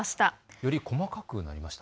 より細かくなりました。